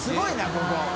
ここ。